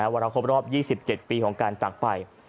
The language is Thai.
วราคมรอบ๒๗ปีของการจับไป